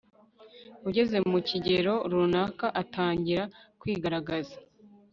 ugeze mu kigero runaka atangira kwigaragaza